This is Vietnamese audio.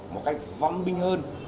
một cách văn minh hơn